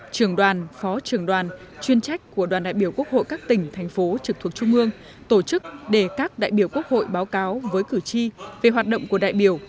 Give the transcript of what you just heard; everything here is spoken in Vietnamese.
trường đoàn phó trưởng đoàn chuyên trách của đoàn đại biểu quốc hội các tỉnh thành phố trực thuộc trung ương tổ chức để các đại biểu quốc hội báo cáo với cử tri về hoạt động của đại biểu